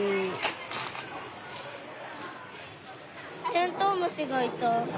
テントウムシがいた。